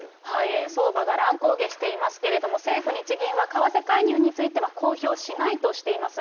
円相場が乱高下していますけれども、政府・日銀は為替介入については公表しないとしています。